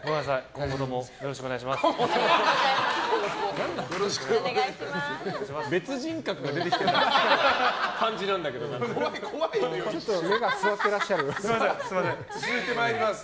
今後ともよろしくお願いします。